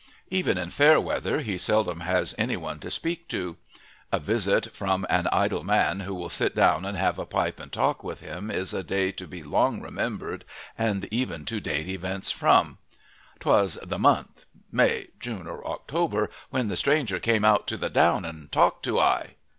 Even in fair weather he seldom has anyone to speak to. A visit from an idle man who will sit down and have a pipe and talk with him is a day to be long remembered and even to date events from. "'Twas the month May, June, or October when the stranger came out to the down and talked to I."